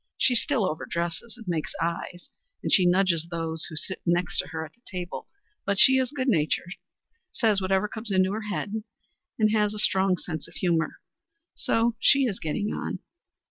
She still overdresses, and makes eyes, and she nudges those who sit next her at table, but she is good natured, says whatever comes into her head, and has a strong sense of humor. So she is getting on."